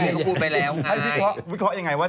ให้วิเคราะห์วิเคราะห์ยังไงว่า